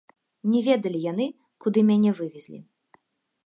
Не ведалі яны, куды мяне вывезлі.